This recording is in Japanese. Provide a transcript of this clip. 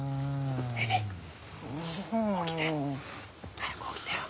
早く起きてよ。